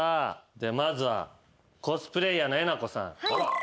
まずはコスプレイヤーのえなこさん。